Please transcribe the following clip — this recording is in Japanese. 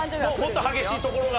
もっと激しいところが。